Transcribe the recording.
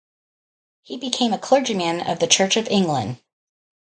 He became a clergyman of the Church of England.